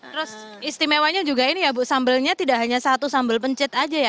terus istimewanya juga ini ya bu sambelnya tidak hanya satu sambal pencit aja ya